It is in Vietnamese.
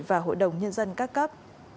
và hội đồng nhân dân các cấp